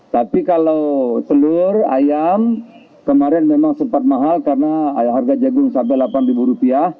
tapi kalau telur ayam kemarin memang sempat mahal karena harga jagung sampai rp delapan